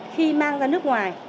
khi mang ra nước ngoài